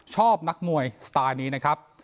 ชอบนักมวยสไตล์นี้นะครับ